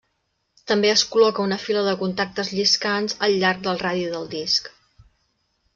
També es col·loca una fila de contactes lliscants al llarg del radi del disc.